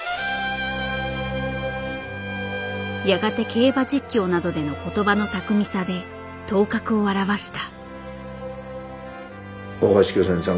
やがて競馬実況などでの言葉の巧みさで頭角を現した。